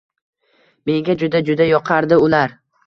Menga juda-juda yoqardi ular…